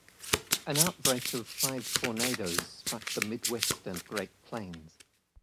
An outbreak of five tornadoes struck the Midwest and Great Plains.